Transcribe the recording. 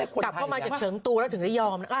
กลับเข้ามาจากเสริมตัวแล้วถึงได้ยอม